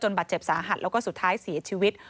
บาดเจ็บสาหัสแล้วก็สุดท้ายเสียชีวิต